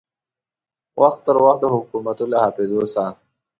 وخت پر وخت د حکومتو له حافظو سه